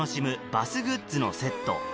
バスグッズのセット